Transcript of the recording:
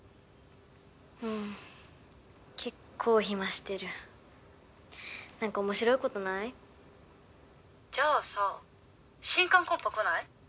うん結構暇してる何かおもしろいことない？じゃあさ新歓コンパ来ない？